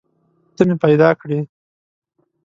ته مې پیدا کړي